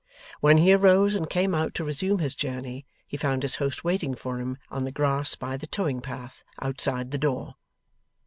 When he arose and came out to resume his journey, he found his host waiting for him on the grass by the towing path outside the door.